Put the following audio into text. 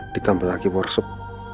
ditambah lagi borsuk